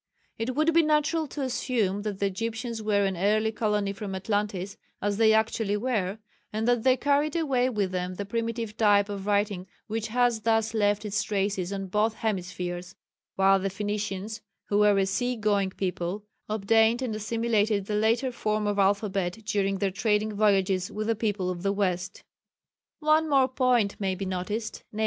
It would be natural to assume that the Egyptians were an early colony from Atlantis (as they actually were) and that they carried away with them the primitive type of writing which has thus left its traces on both hemispheres, while the Phoenicians, who were a sea going people, obtained and assimilated the later form of alphabet during their trading voyages with the people of the west. One more point may be noticed, _viz.